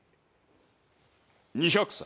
２００歳。